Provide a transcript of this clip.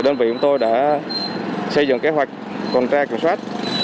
đơn vị của tôi đã xây dựng kế hoạch tuần tra kiểm soát